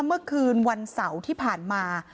เมื่อคืนวันเสาร์ที่ผ่านมา